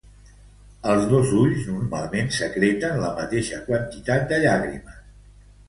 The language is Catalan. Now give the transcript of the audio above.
Els dos ulls normalment secreten la mateixa quantitat de llàgrimes.